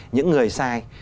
những người sai